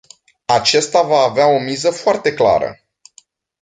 Acesta va avea o miză foarte clară.